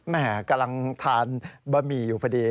แม่กำลังทานบะหมี่อยู่พอดี